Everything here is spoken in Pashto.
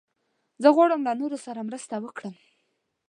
زه غواړم له نورو سره مرسته وکړم.